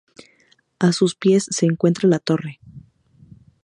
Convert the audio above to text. A sus pies se encuentra la torre.